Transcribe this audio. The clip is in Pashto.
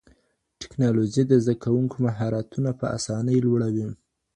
ټکنالوژي د زده کوونکو مهارتونه په اسانۍ لوړوي.